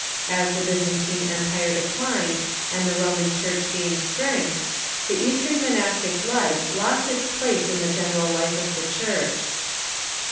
As the Byzantine Empire declined and the Roman Church gained strength, the Eastern monastic life lost its place in the general life of the Church.